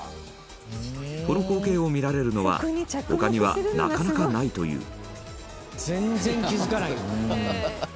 この光景を見られるのは他には、なかなかないという全然気付かないよね。